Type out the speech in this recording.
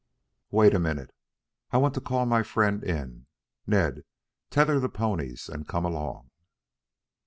"Wait a minute. I want to call my friend in. Ned, tether the ponies and come along."